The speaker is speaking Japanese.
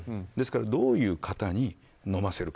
どういう方に飲ませるか。